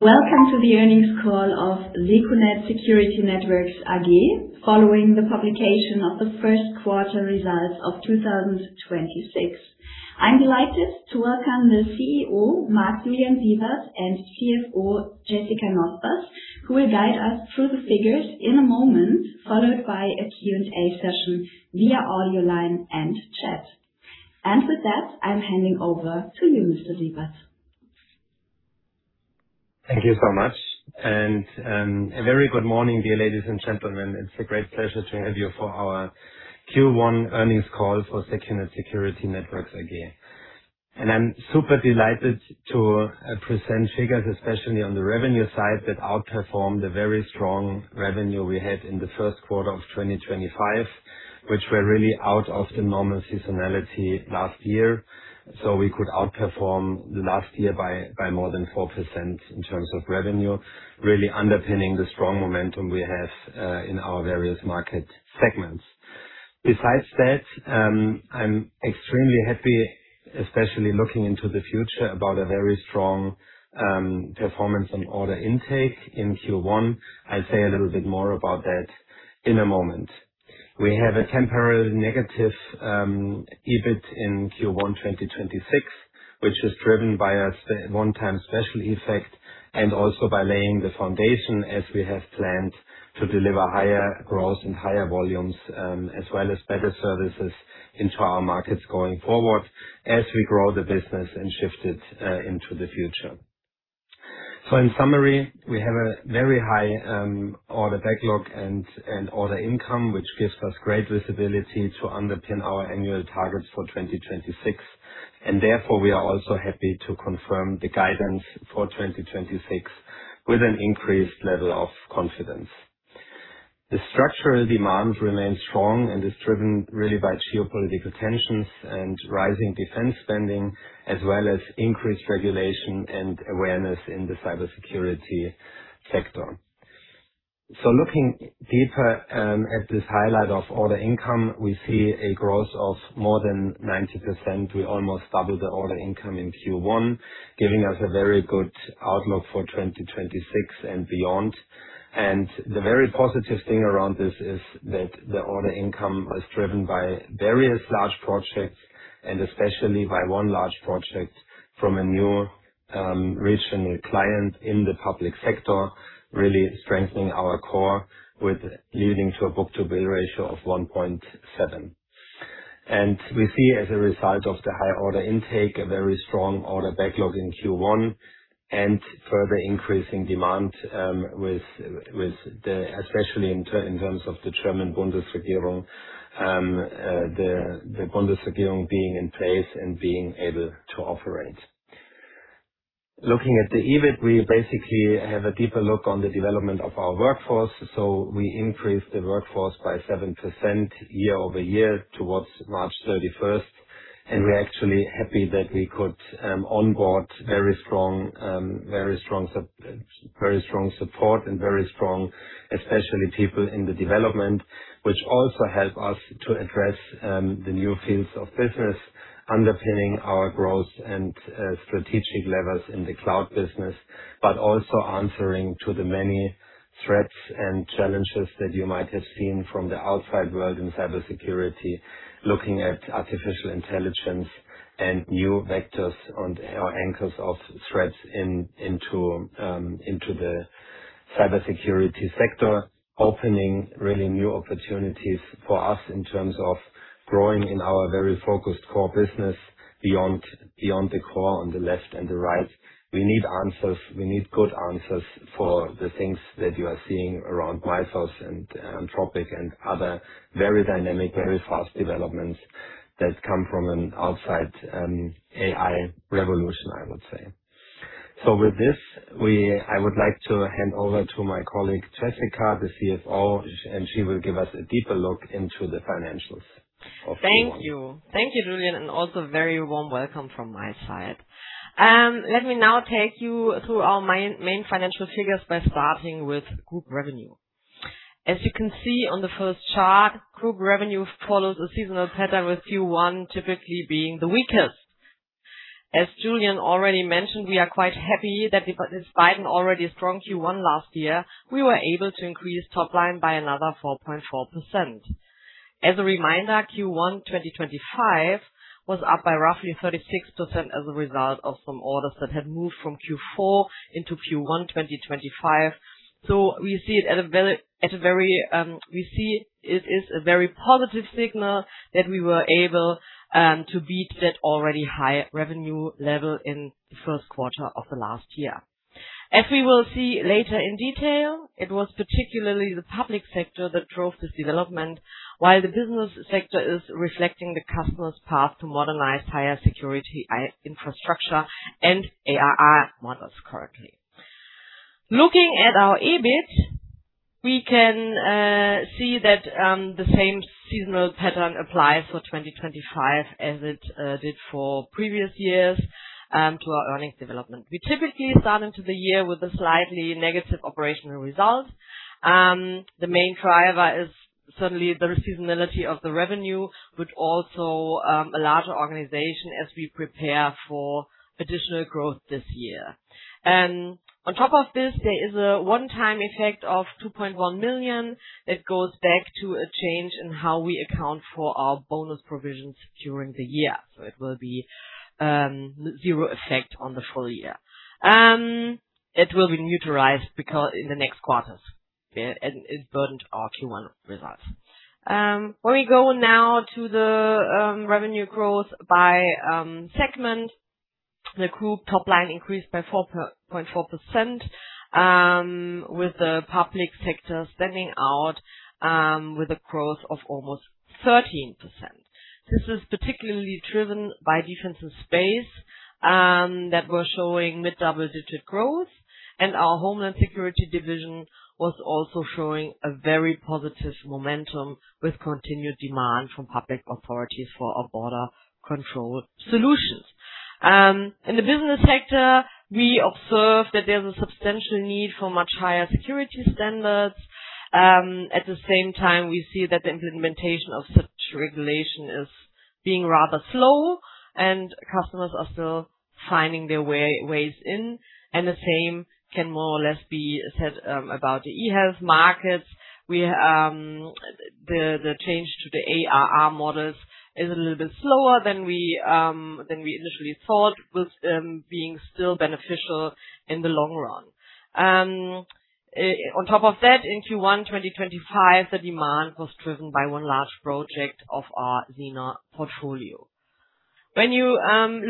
Welcome to the earnings call of secunet Security Networks AG following the publication of the first quarter results of 2026. I'm delighted to welcome the CEO, Marc-Julian Siewert, and CFO, Jessica Nospers, who will guide us through the figures in a moment, followed by a Q&A session via audio line and chat. With that, I'm handing over to you, Mr. Siewert. Thank you so much. A very good morning, dear ladies and gentlemen. It's a great pleasure to have you for our Q1 earnings call for secunet Security Networks AG. I'm super delighted to present figures, especially on the revenue side, that outperformed the very strong revenue we had in the first quarter of 2025, which were really out of the normal seasonality last year. We could outperform last year by more than 4% in terms of revenue, really underpinning the strong momentum we have in our various market segments. Besides that, I'm extremely happy, especially looking into the future, about a very strong performance on order intake in Q1. I'll say a little bit more about that in a moment. We have a temporarily negative EBIT in Q1 2026, which is driven by a one-time special effect and also by laying the foundation as we have planned to deliver higher growth and higher volumes, as well as better services into our markets going forward as we grow the business and shift it into the future. In summary, we have a very high order backlog and order income, which gives us great visibility to underpin our annual targets for 2026. Therefore, we are also happy to confirm the guidance for 2026 with an increased level of confidence. The structural demand remains strong and is driven really by geopolitical tensions and rising defense spending, as well as increased regulation and awareness in the cybersecurity sector. Looking deeper at this highlight of order income, we see a growth of more than 90%. We almost doubled the order income in Q1, giving us a very good outlook for 2026 and beyond. The very positive thing around this is that the order income was driven by various large projects and especially by one large project from a new regional client in the Public Sector, really strengthening our core with leading to a book-to-bill ratio of 1.7x. We see as a result of the high order intake, a very strong order backlog in Q1 and further increasing demand with the especially in terms of the German Bundesregierung, the Bundesregierung being in place and being able to operate. Looking at the EBIT, we basically have a deeper look on the development of our workforce. We increased the workforce by 7% year-over-year towards March 31st. We're actually happy that we could onboard very strong support and very strong, especially people in the development, which also help us to address the new fields of business underpinning our growth and strategic levers in the cloud business. Also answering to the many threats and challenges that you might have seen from the outside world in cybersecurity, looking at artificial intelligence and new vectors on our anchors of threats into the cybersecurity sector, opening really new opportunities for us in terms of growing in our very focused core business beyond the core on the left and the right. We need answers. We need good answers for the things that you are seeing around Microsoft and Anthropic and other very dynamic, very fast developments that come from an outside AI revolution, I would say. With this, I would like to hand over to my colleague, Jessica, the CFO, and she will give us a deeper look into the financials of Q1. Thank you. Thank you, Julian, and also very warm welcome from my side. Let me now take you through our main financial figures by starting with group revenue. As you can see on the first chart, group revenue follows a seasonal pattern with Q1 typically being the weakest. As Julian already mentioned, we are quite happy that despite an already strong Q1 last year, we were able to increase top line by another 4.4%. As a reminder, Q1 2025 was up by roughly 36% as a result of some orders that had moved from Q4 into Q1 2025. We see it at a very, we see it is a very positive signal that we were able to beat that already high revenue level in the first quarter of the last year. As we will see later in detail, it was particularly the Public Sector that drove this development, while the Business Sector is reflecting the customer's path to modernized higher security IT infrastructure and ARR models currently. Looking at our EBIT, we can see that the same seasonal pattern applies for 2025 as it did for previous years to our earnings development. We typically start into the year with a slightly negative operational result. The main driver is certainly the seasonality of the revenue, also a larger organization as we prepare for additional growth this year. On top of this, there is a one-time effect of 2.1 million that goes back to a change in how we account for our bonus provisions during the year. It will be zero effect on the full year. It will be neutralized because in the next quarters, it burdened our Q1 results. When we go now to the revenue growth by segment, the group top line increased by 4%, with the Public Sector standing out with a growth of almost 13%. This is particularly driven by defense and space that were showing mid double-digit growth. Our Homeland Security division was also showing a very positive momentum with continued demand from public authorities for our border control solutions. In the Business Sector, we observed that there's a substantial need for much higher security standards. At the same time, we see that the implementation of such regulation is being rather slow, and customers are still finding their ways in. The same can more or less be said about the eHealth markets. We, the change to the ARR models is a little bit slower than we initially thought was being still beneficial in the long run. On top of that, in Q1 2025, the demand was driven by one large project of our SINA portfolio. When you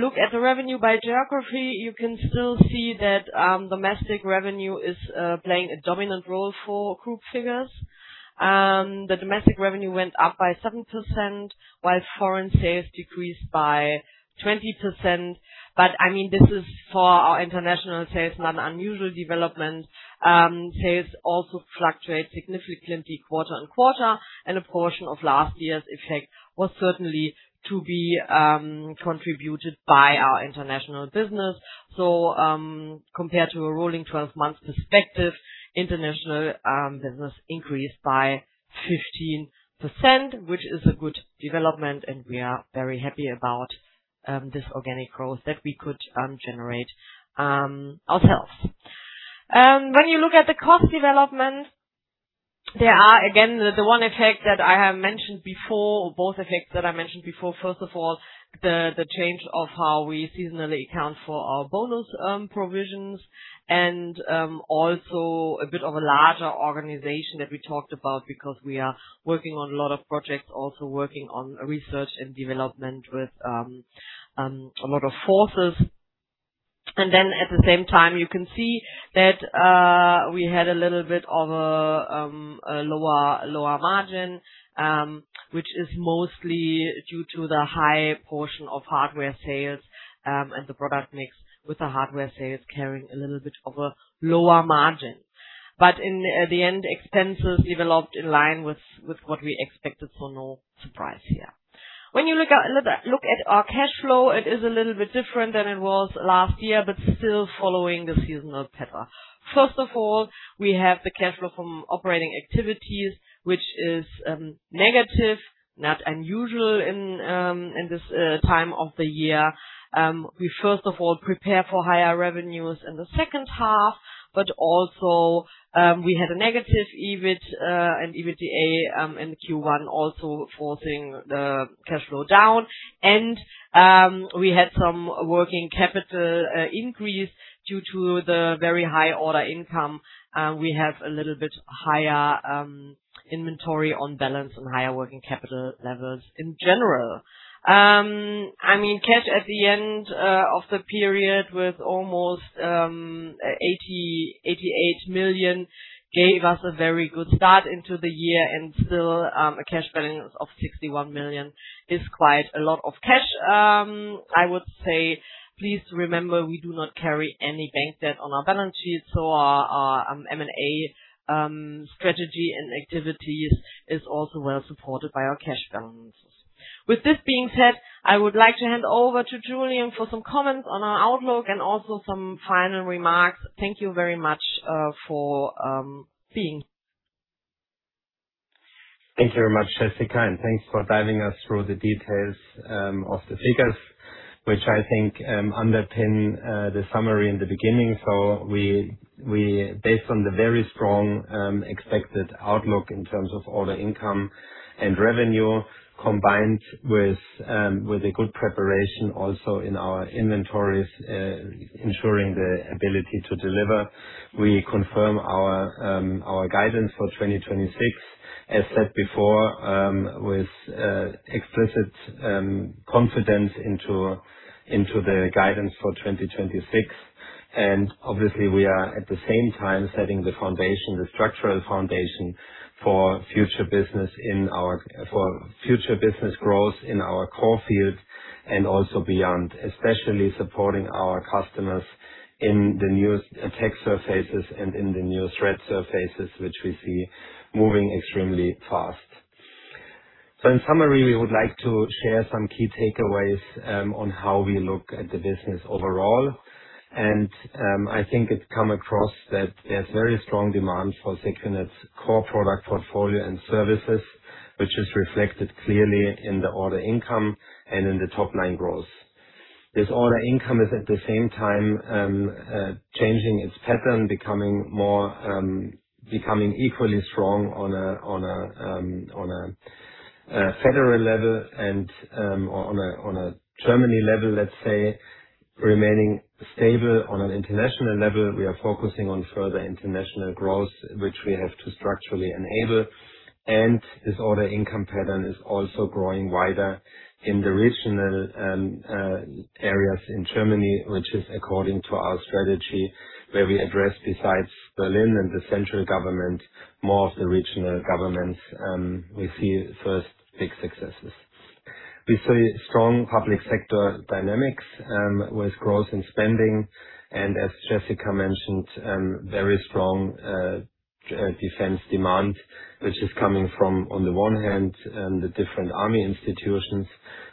look at the revenue by geography, you can still see that domestic revenue is playing a dominant role for group figures. The domestic revenue went up by 7%, while foreign sales decreased by 20%. I mean, this is for our international sales, not an unusual development. Sales also fluctuate significantly quarter and quarter, and a portion of last year's effect was certainly to be contributed by our international business. Compared to a rolling 12 months perspective, international business increased by 15%, which is a good development, and we are very happy about this organic growth that we could generate ourselves. When you look at the cost development, there are, again, the one effect that I have mentioned before, both effects that I mentioned before. First of all, the change of how we seasonally account for our bonus provisions and also a bit of a larger organization that we talked about because we are working on a lot of projects, also working on research and development with a lot of forces. At the same time, you can see that we had a little bit of a lower margin, which is mostly due to the high portion of hardware sales, and the product mix with the hardware sales carrying a little bit of a lower margin. In the end, expenses developed in line with what we expected, so no surprise here. When you look at our cash flow, it is a little bit different than it was last year, but still following the seasonal pattern. First of all, we have the cash flow from operating activities, which is negative, not unusual in this time of the year. We first of all prepare for higher revenues in the second half, we had a negative EBIT and EBITDA in Q1, also forcing the cash flow down. We had some working capital increase due to the very high order income. We have a little bit higher inventory on balance and higher working capital levels in general. I mean, cash at the end of the period with almost 88 million gave us a very good start into the year, a cash balance of 61 million is quite a lot of cash. I would say, please remember, we do not carry any bank debt on our balance sheet, our M&A strategy and activities is also well supported by our cash balances. With this being said, I would like to hand over to Julian for some comments on our outlook and also some final remarks. Thank you very much for being. Thank you very much, Jessica and thanks for guiding us through the details of the figures, which I think underpin the summary in the beginning. We based on the very strong expected outlook in terms of order income and revenue, combined with a good preparation also in our inventories, ensuring the ability to deliver. We confirm our guidance for 2026, as said before, with explicit confidence into the guidance for 2026. Obviously we are at the same time setting the foundation, the structural foundation for future business growth in our core field and also beyond, especially supporting our customers in the new attack surfaces and in the new threat surfaces, which we see moving extremely fast. In summary, we would like to share some key takeaways on how we look at the business overall. I think it's come across that there's very strong demand for secunet's core product portfolio and services, which is reflected clearly in the order income and in the top line growth. This order income is at the same time changing its pattern, becoming more equally strong on a federal level and on a Germany level, let's say, remaining stable on an international level. We are focusing on further international growth, which we have to structurally enable. This order income pattern is also growing wider in the regional areas in Germany, which is according to our strategy, where we address besides Berlin and the central government, more of the regional governments, we see first big successes. We see strong Public Sector dynamics, with growth in spending and as Jessica mentioned, very strong defense demand, which is coming from, on the one hand, the different army institutions,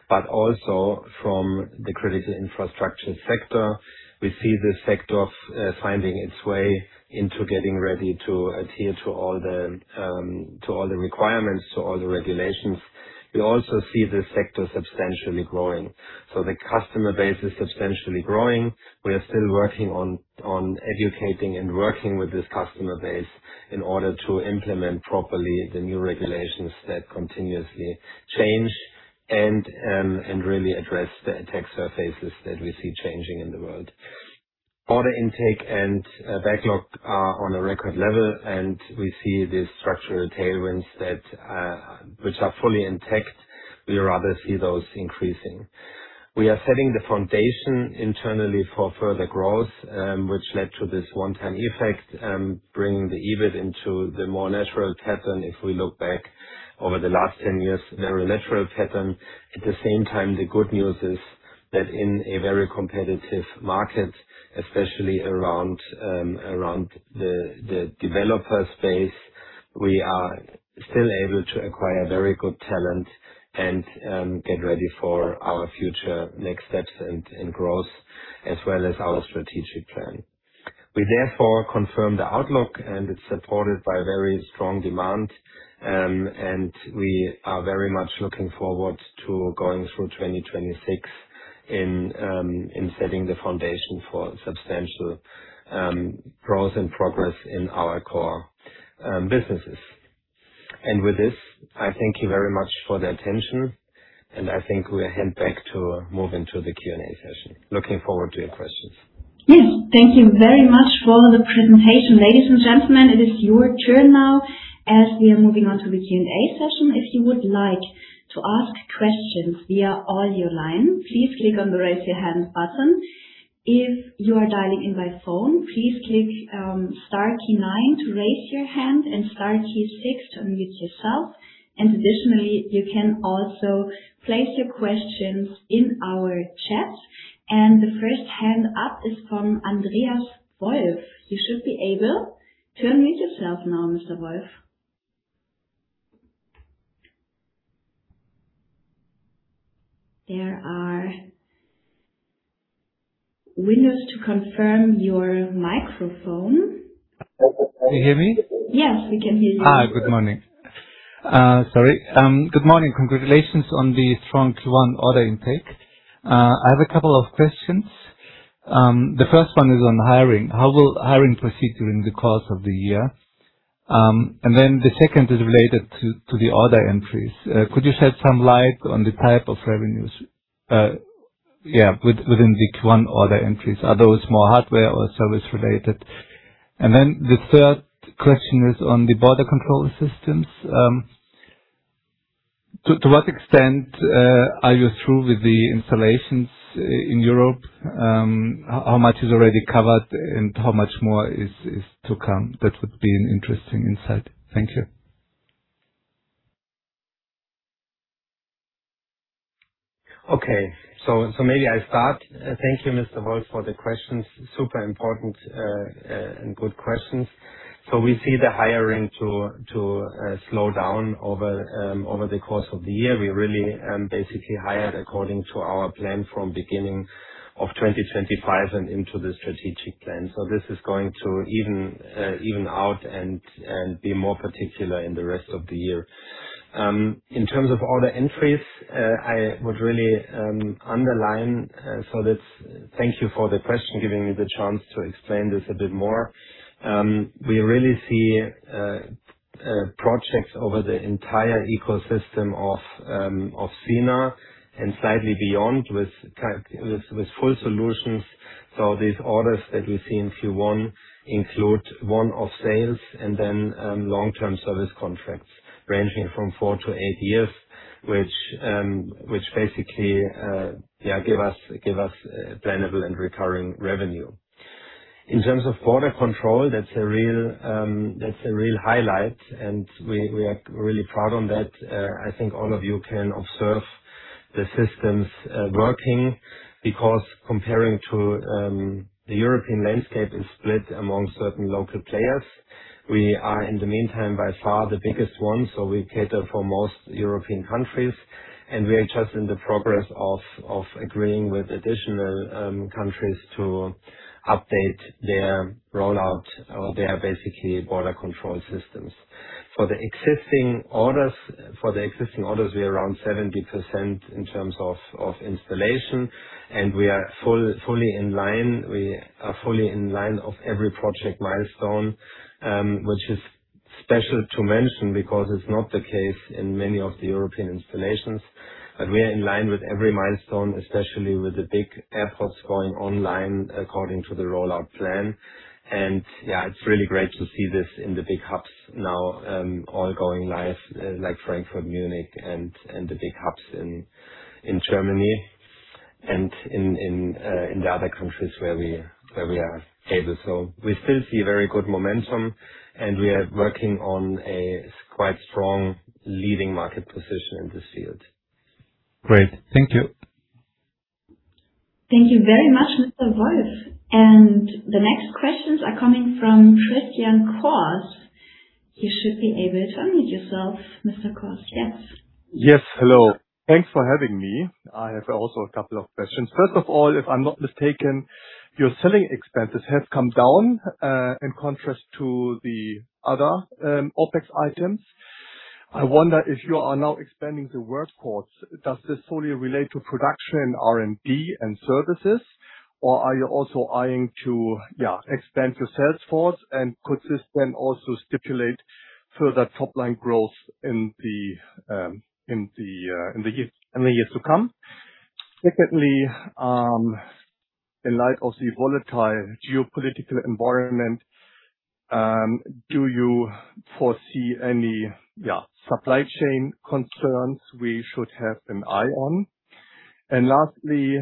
but also from the critical infrastructure sector. We see this sector finding its way into getting ready to adhere to all the requirements, to all the regulations. We also see this sector substantially growing. The customer base is substantially growing. We are still working on educating and working with this customer base in order to implement properly the new regulations that continuously change and really address the attack surfaces that we see changing in the world. Order intake and backlog are on a record level, and we see these structural tailwinds that which are fully intact. We rather see those increasing. We are setting the foundation internally for further growth, which led to this one-time effect, bringing the EBIT into the more natural pattern, if we look back over the last 10 years, very natural pattern. At the same time, the good news is that in a very competitive market, especially around the developer space, we are still able to acquire very good talent and get ready for our future next steps and growth as well as our strategic plan. We therefore confirm the outlook, and it's supported by very strong demand. We are very much looking forward to going through 2026 in setting the foundation for substantial growth and progress in our core businesses. With this, I thank you very much for the attention, and I think we head back to move into the Q&A session. Looking forward to your questions. Yes. Thank you very much for the presentation. Ladies and gentlemen, it is your turn now as we are moving on to the Q&A session. If you would like to ask questions via audio line, please click on the Raise Your Hand button. If you are dialing in by phone, please click star key nine to raise your hand and star key six to unmute yourself. Additionally, you can also place your questions in our chat. The first hand up is from Andreas Wolf. You should be able to unmute yourself now, Mr. Wolf. There are windows to confirm your microphone. Can you hear me? Yes, we can hear you. Good morning. Sorry. Good morning. Congratulations on the strong Q1 order intake. I have a couple of questions. The first one is on hiring. How will hiring proceed during the course of the year? The second is related to the order entries. Could you shed some light on the type of revenues? Within the Q1 order entries. Are those more hardware or service related? The third question is on the border control systems. To what extent are you through with the installations in Europe? How much is already covered and how much more is to come? That would be an interesting insight. Thank you. Maybe I start. Thank you, Mr. Wolf, for the questions. Super important and good questions. We see the hiring to slow down over the course of the year. We really basically hired according to our plan from beginning of 2025 and into the strategic plan. This is going to even out and be more particular in the rest of the year. In terms of order entries, I would really underline. Thank you for the question, giving me the chance to explain this a bit more. We really see projects over the entire ecosystem of SINA and slightly beyond with full solutions. These orders that we see in Q1 include one-off sales and then, long-term service contracts ranging from four to eight years, which basically, yeah, give us, give us billable and recurring revenue. In terms of border control, that's a real, that's a real highlight, and we are really proud on that. I think all of you can observe the systems working because comparing to, the European landscape is split among certain local players. We are, in the meantime, by far the biggest one, so we cater for most European countries, and we are just in the progress of agreeing with additional countries to update their rollout, or their basically border control systems. For the existing orders, we are around 70% in terms of installation, and we are fully in line. We are fully in line of every project milestone, which is special to mention because it's not the case in many of the European installations. We are in line with every milestone, especially with the big airports going online according to the rollout plan. It's really great to see this in the big hubs now, all going live, like Frankfurt, Munich and the big hubs in Germany and in the other countries where we are able. We still see very good momentum, and we are working on a quite strong leading market position in this field. Great. Thank you. Thank you very much, Mr. Wolf. The next questions are coming from Christian Cohrs. You should be able to unmute yourself, Mr. Cohrs. Yes. Yes. Hello. Thanks for having me. I have also a couple of questions. First of all, if I'm not mistaken, your selling expenses have come down in contrast to the other OpEx items. I wonder if you are now expanding the workforce. Does this fully relate to production, R&D and services, or are you also eyeing to expand your sales force? Could this then also stipulate further top-line growth in the years to come? Secondly, in light of the volatile geopolitical environment, do you foresee any supply chain concerns we should have an eye on? Lastly,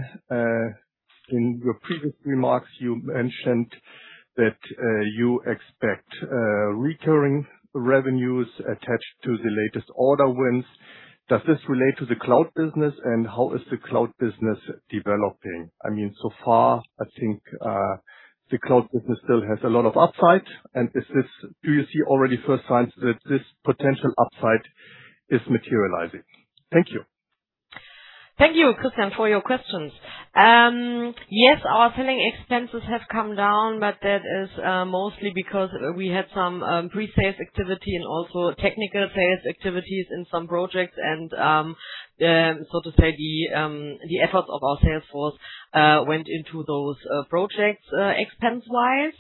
in your previous remarks, you mentioned that you expect recurring revenues attached to the latest order wins. Does this relate to the cloud business, and how is the cloud business developing? I mean, so far, I think, the cloud business still has a lot of upside, and do you see already first signs that this potential upside is materializing? Thank you. Thank you, Christian, for your questions. Yes, our selling expenses have come down, but that is mostly because we had some pre-sales activity and also technical sales activities in some projects and, so to say, the efforts of our sales force went into those projects expense-wise.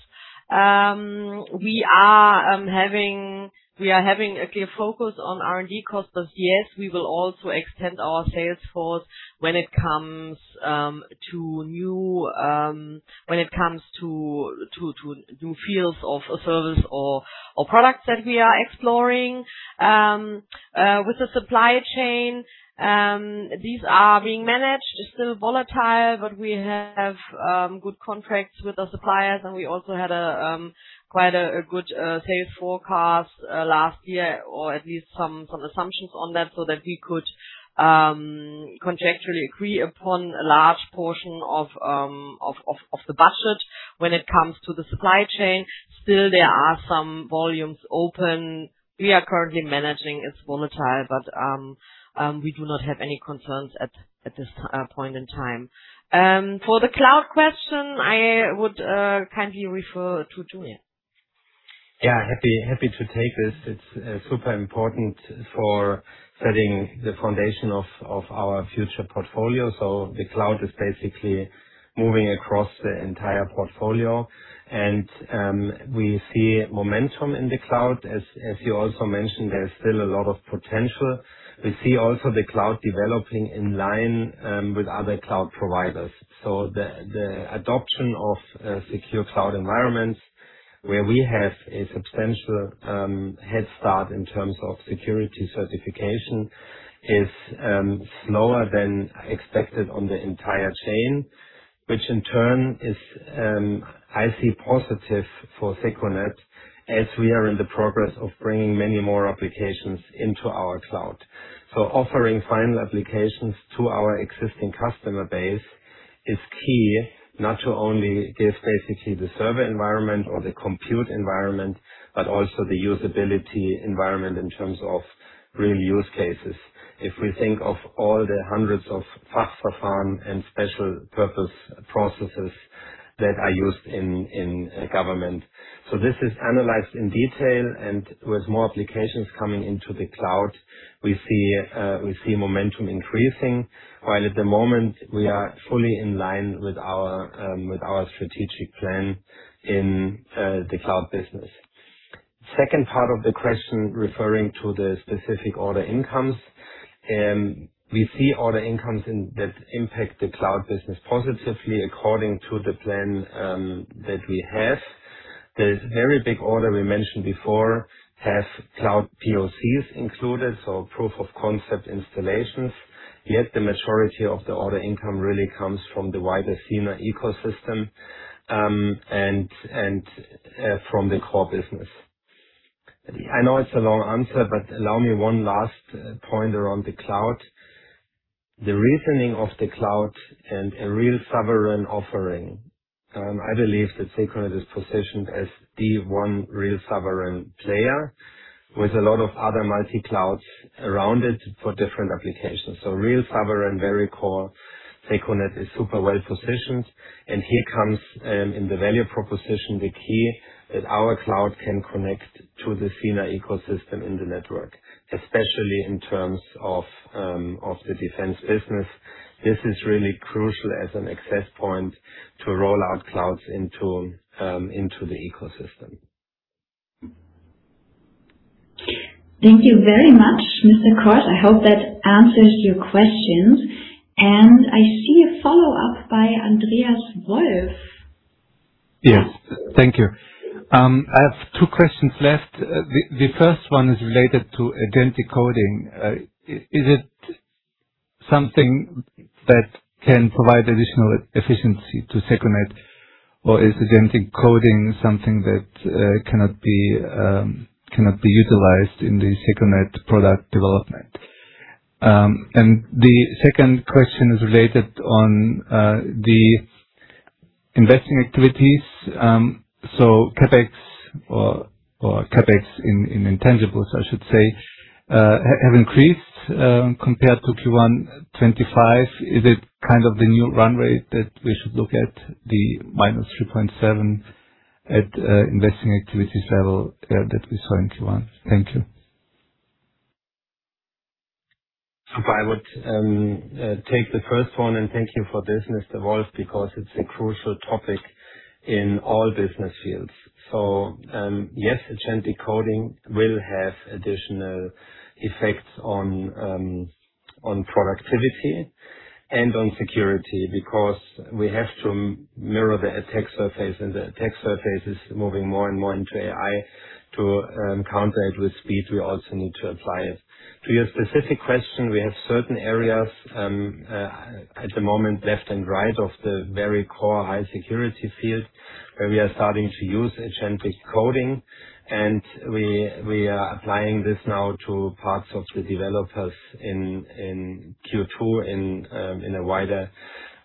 We are having a clear focus on R&D costs. Yes, we will also extend our sales force when it comes to new fields of service or products that we are exploring. With the supply chain, these are being managed. It's still volatile, but we have good contracts with the suppliers, and we also had a quite a good sales forecast last year, or at least some assumptions on that, so that we could conjecturally agree upon a large portion of the budget when it comes to the supply chain. Still, there are some volumes open. We are currently managing. It's volatile, but we do not have any concerns at this point in time. For the cloud question, I would kindly refer to Julian. Yeah. Happy to take this. It's super important for setting the foundation of our future portfolio. The cloud is basically moving across the entire portfolio. We see momentum in the cloud. As you also mentioned, there's still a lot of potential. We see also the cloud developing in line with other cloud providers. The adoption of secure cloud environments where we have a substantial head start in terms of security certification is slower than expected on the entire chain, which in turn is I see positive for secunet as we are in the progress of bringing many more applications into our cloud. Offering final applications to our existing customer base is key, not to only give basically the server environment or the compute environment, but also the usability environment in terms of real use cases. We think of all the 100s of Fachverfahren and special purpose processes that are used in government. This is analyzed in detail, and with more applications coming into the cloud, we see momentum increasing. While at the moment we are fully in line with our strategic plan in the cloud business. Second part of the question, referring to the specific order incomes. We see order incomes that impact the cloud business positively according to the plan that we have. The very big order we mentioned before has cloud POCs included, so Proof of Concept installations. The majority of the order income really comes from the wider SINA ecosystem and from the core business. I know it's a long answer, allow me one last point around the cloud. The reasoning of the cloud and a real sovereign offering, I believe that secunet is positioned as the one real sovereign player with a lot of other multi-clouds around it for different applications. Real sovereign, very core, secunet is super well positioned, and here comes in the value proposition, the key that our cloud can connect to the SINA ecosystem in the network, especially in terms of of the defense business. This is really crucial as an access point to roll out clouds into into the ecosystem. Thank you very much, Mr. Cohrs. I hope that answers your questions. I see a follow-up by Andreas Wolf. Yes. Thank you. I have two questions left. The first one is related to agentic coding. Is it something that can provide additional efficiency to secunet, or is agentic coding something that cannot be utilized in the secunet product development? The second question is related on the investing activities. CapEx or CapEx in intangibles, I should say, have increased compared to Q1 2025. Is it kind of the new run rate that we should look at the -3.7 at investing activities level that we saw in Q1? Thank you. If I would take the first one, and thank you for this, Mr. Wolf, because it's a crucial topic in all business fields. Yes, agentic coding will have additional effects on productivity and on security because we have to mirror the attack surface, and the attack surface is moving more and more into AI. To counter it with speed, we also need to apply it. To your specific question, we have certain areas at the moment, left and right of the very core high security field, where we are starting to use agentic coding, and we are applying this now to parts of the developers in Q2 in a wider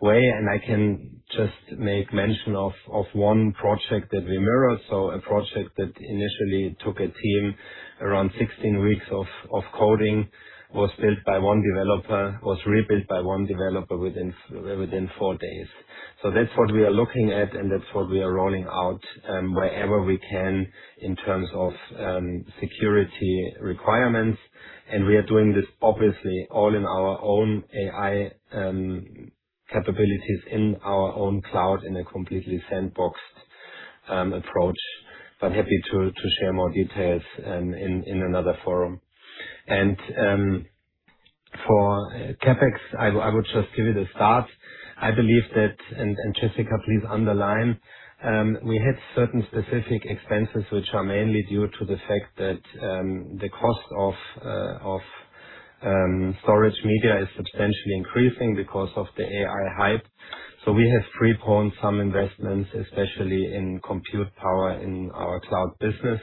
way. I can just make mention of one project that we mirrored. A project that initially took a team around 16 weeks of coding, was built by one developer, was rebuilt by one developer within four days. That's what we are looking at, and that's what we are rolling out wherever we can in terms of security requirements. We are doing this obviously all in our own AI capabilities, in our own cloud, in a completely sandboxed approach. Happy to share more details in another forum. For CapEx, I would just give you the start. I believe that, and Jessica, please underline, we had certain specific expenses, which are mainly due to the fact that the cost of storage media is substantially increasing because of the AI hype. We have pre-poned some investments, especially in compute power in our cloud business.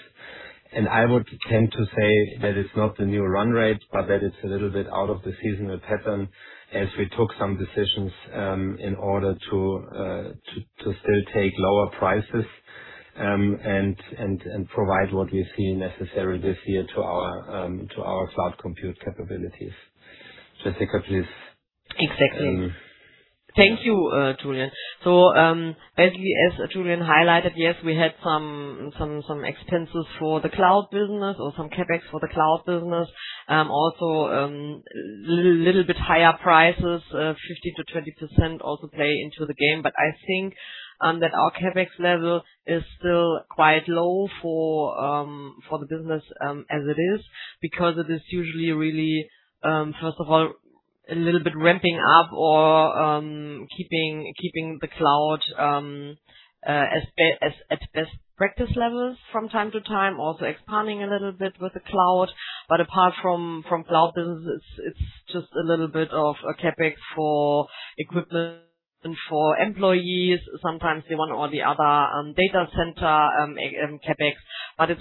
I would tend to say that it's not the new run rate, but that it's a little bit out of the seasonal pattern as we took some decisions in order to still take lower prices and provide what we see necessary this year to our cloud compute capabilities. Jessica, please. Exactly. Um. Thank you, Julian. Basically, as Julian highlighted, yes, we had some expenses for the cloud business or some CapEx for the cloud business. Also, little bit higher prices, 50%-20% also play into the game. I think that our CapEx level is still quite low for the business as it is because it is usually really, first of all, a little bit ramping up or keeping the cloud as at best practice levels from time to time, also expanding a little bit with the cloud. Apart from cloud business, it's just a little bit of a CapEx for equipment and for employees. Sometimes the one or the other data center CapEx.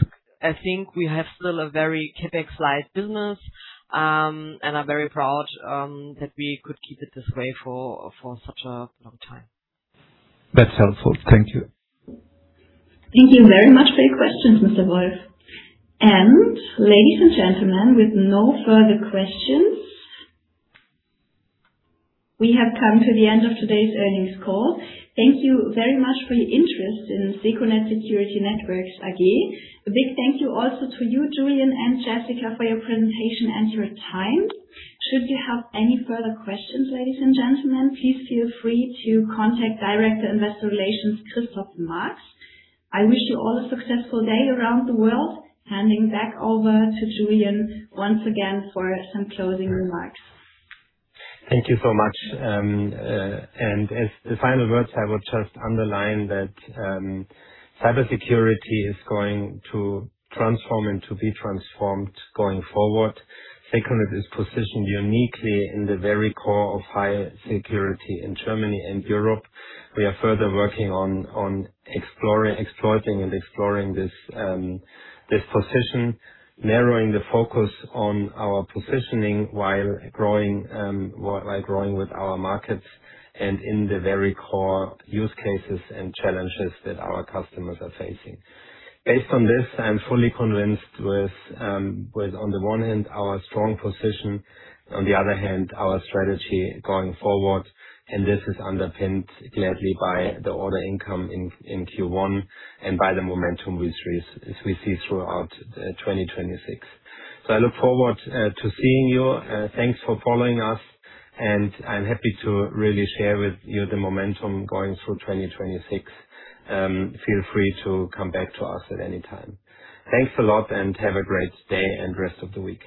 I think we have still a very CapEx-like business, and are very proud that we could keep it this way for such a long time. That's helpful. Thank you. Thank you very much for your questions, Mr. Wolf. Ladies and gentlemen, with no further questions, we have come to the end of today's earnings call. Thank you very much for your interest in secunet Security Networks AG. A big thank you also to you, Julian and Jessica, for your presentation and your time. Should you have any further questions, ladies and gentlemen, please feel free to contact Director of Investor Relations, Christoph Marx. I wish you all a successful day around the world. Handing back over to Julian once again for some closing remarks. Thank you so much. As the final words, I would just underline that cybersecurity is going to transform and to be transformed going forward. secunet is positioned uniquely in the very core of high security in Germany and Europe. We are further working on exploring, exploiting, and exploring this position, narrowing the focus on our positioning while growing with our markets and in the very core use cases and challenges that our customers are facing. Based on this, I am fully convinced with on the one hand, our strong position, on the other hand, our strategy going forward, and this is underpinned gladly by the order income in Q1 and by the momentum which we see throughout 2026. I look forward to seeing you. Thanks for following us, and I'm happy to really share with you the momentum going through 2026. Feel free to come back to us at any time. Thanks a lot and have a great day and rest of the week.